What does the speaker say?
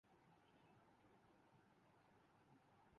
ہم سب کے اندر ان کی مقبولیت کے لئے کافی ہیں